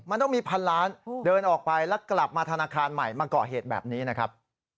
มันต้องมีพันล้านเดินออกไปแล้วกลับมาธนาคารใหม่มาเกาะเหตุแบบนี้นะครับ